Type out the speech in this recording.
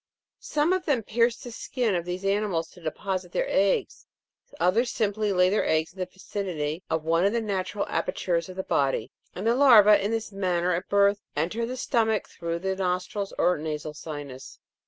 some of them pierce the skin of these ani mals to deposit their eggs ; others simply lay their eggs in the vicinity of one of the natural apertures of the body, and the larvae in this manner at birth enter the stomach through the nostrils or nasal sinus.